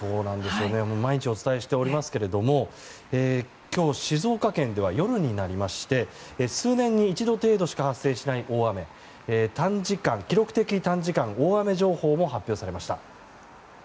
毎日お伝えしておりますが今日、静岡県では夜になりまして数年に一度程度しか発生しない大雨記録的短時間大雨情報も発表されました。